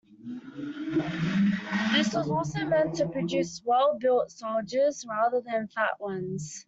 This was also meant to produce well-built soldiers rather than fat ones.